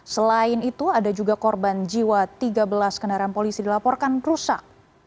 selain itu ada juga korban jiwa tiga belas kendaraan polisi dilaporkan rusak